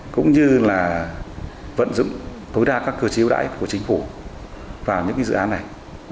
cũng như là vận dụng tối đa các cơ chế ưu đãi của chính phủ vào những dự án này